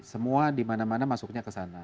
semua dimana mana masuknya ke sana